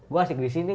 gue asik disini